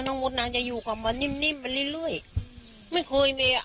น้องมุดน่ะจะอยู่กับมันนิ่มมิ่นน้วยไม่เคยเนี่ย